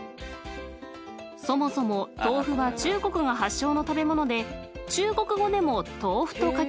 ［そもそも豆腐は中国が発祥の食べ物で中国語でも豆腐と書きます］